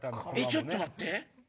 ちょっと待って。